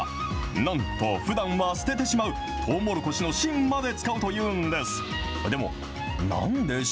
なんと、ふだんは捨ててしまう、とうもろこしの芯まで使うというんです。